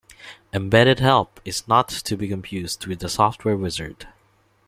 Embedded help is not to be confused with a software wizard.